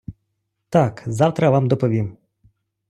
Так, завтра вам доповім!